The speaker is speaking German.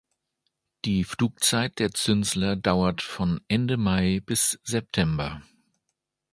Die Flugzeit der Zünsler dauert von Ende Mai bis September.